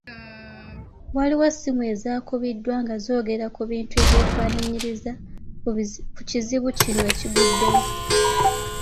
Waliwo essimu ezaakubiddwa nga zoogera ku bintu ebyefaanaanyiriza ku kizibu kino ekiguddewo .